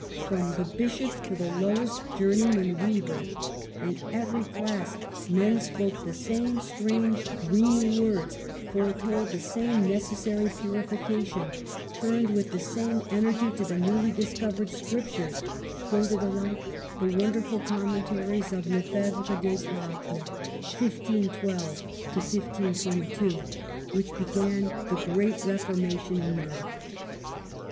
From the bishop to the lowest journey man weaver, — in every class men spoke the same 48 MARGARET OF ANGOUL^ME. Strange, dreamy words, foretold the same neces sary purification, turned with the same energy to the new discovered Scriptures, quoted ahke the wonderful commentaries of Lefebvre d'Etaples (15 12 1522) which began the great Reformation in Europe.